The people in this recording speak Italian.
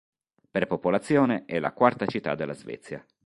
Per popolazione è la quarta città della Svezia.